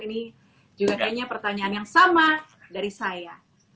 ini juga kayaknya pertanyaan yang sama dari saya